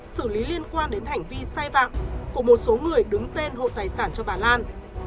xử lý liên quan đến hành vi sai vạm của một số người đứng tên hộ tài sản cho bà lan